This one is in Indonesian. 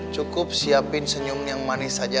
cukup siapin senyum yang manis saja